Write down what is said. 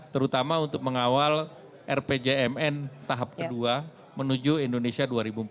terutama untuk mengawal rpjmn tahap kedua menuju indonesia dua ribu empat puluh lima